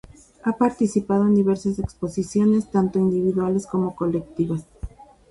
Ha participado en diversas exposiciones, tanto individuales como colectivas.